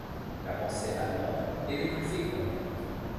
La pensée allemande est des plus fécondes.